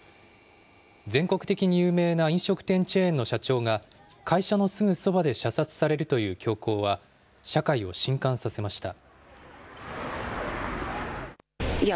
全国的に有名な飲食店チェーンの社長が、会社のすぐそばで射殺されるという凶行は社会をしんかんさせました。